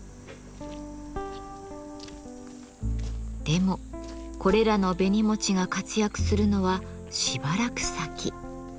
でもこれらの紅餅が活躍するのはしばらく先。